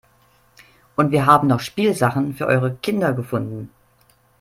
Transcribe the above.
Und wir haben noch Spielsachen für eure Kinder gefunden.